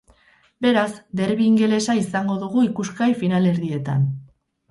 Beraz, derbi ingelesa izango dugu ikusgai finalerdietan.